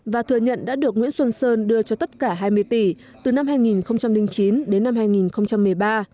và thừa nhận đã được nguyễn xuân sơn đưa cho tất cả hai mươi tỷ từ năm hai nghìn chín đến năm hai nghìn một mươi ba